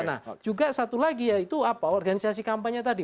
nah juga satu lagi yaitu apa organisasi kampanye tadi